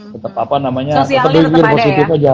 tetap apa namanya sosialnya tetap ada ya